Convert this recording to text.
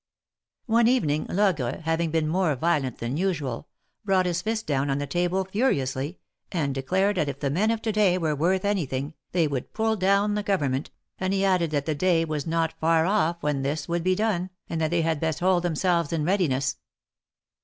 One evening Logre, having been more violent than usual, brought his fist down on the table furiously, and declared that if the men of to day were worth anything, they would pull down the government, and he added that the day was not far off when this would be done, and that they had best hold themselves in readiness.